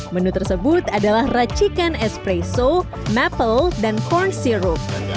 menu tersebut adalah racikan espresso maple dan corn syrup